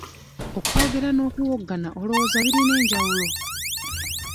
Okwogera n'okuwoggana olowooza birina enjawulo?